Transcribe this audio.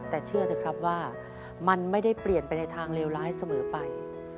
แต่เชื่อเถอะครับว่ามันไม่ได้เปลี่ยนไปในทางเลวร้ายเสมอไป